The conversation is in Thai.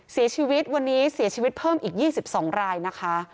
เสียชีวิตวันนี้เสียชีวิตเพิ่มอีก๒๒รายนะคะ